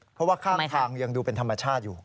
เพราะว่าข้างทางยังดูเป็นธรรมชาติอยู่